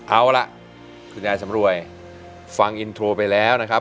เอาล่ะคุณยายสำรวยฟังอินโทรไปแล้วนะครับ